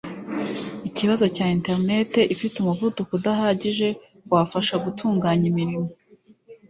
Ikibazo cya internet ifite umuvuduko udahagije wafasha gutunganya imirimo